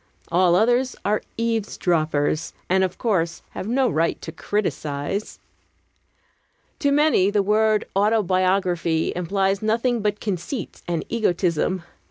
All others are eavesdroppers, and, of course, have no right to criticise. To many, the word "autobiography" implies nothing but conceit and egotism.